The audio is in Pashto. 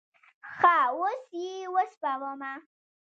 ښه، اوس یی وسپموه